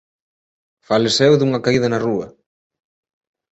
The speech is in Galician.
Faleceu dunha caída na rúa.